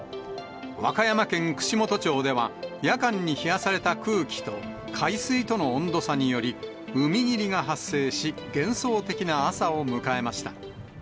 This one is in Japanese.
和歌山県串本町では、夜間に冷やされた空気と海水との温度差により、海霧が発生し、幻想的な朝を迎えました。